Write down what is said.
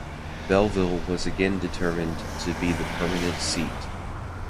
Belleville was again determined to be the permanent seat.